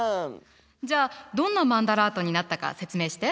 じゃあどんなマンダラートになったか説明して。